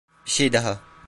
Bir şey daha.